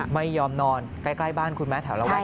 ไม่ยอมนอนใกล้บ้านคุณแม่แถวละวัดแถวนั้น